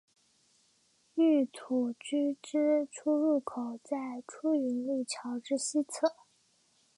御土居之出入口在出云路桥之西侧。